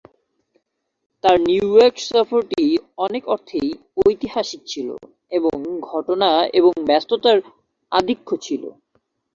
তাঁর নিউইয়র্ক সফরটি অনেক অর্থেই ঐতিহাসিক ছিল এবং ঘটনা এবং ব্যস্ততার আধিক্য ছিল।